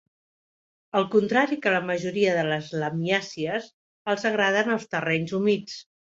Al contrari que la majoria de les lamiàcies, els agraden els terrenys humits.